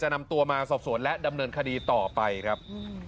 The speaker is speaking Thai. นำตัวมาสอบสวนและดำเนินคดีต่อไปครับ